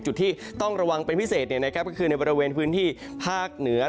จุดที่ต้องระวังเป็นพิเศษก็คือในบริเวณพื้นที่ภาคเหนือ